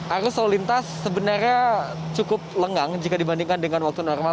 arus lalu lintas sebenarnya cukup lengang jika dibandingkan dengan waktu normal